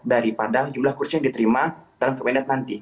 daripada jumlah kursi yang diterima dalam kabinet nanti